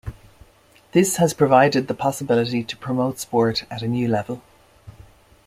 This has provided the possibility to promote sport at a new level.